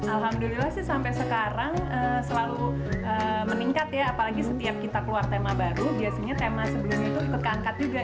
alhamdulillah sih sampai sekarang selalu meningkat ya apalagi setiap kita keluar tema baru biasanya tema sebelumnya itu ikut keangkat juga